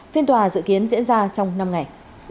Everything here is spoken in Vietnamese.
phiên tòa dự kiến diễn ra trong năm ngày